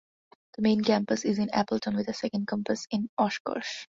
The main campus is in Appleton with a second campus in Oshkosh.